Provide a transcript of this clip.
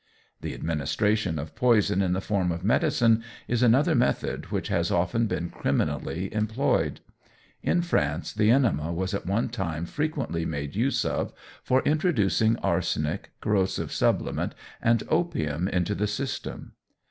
The administration of poison in the form of medicine is another method which has often been criminally employed. In France, the enema was at one time frequently made use of for introducing arsenic, corrosive sublimate, and opium into the system.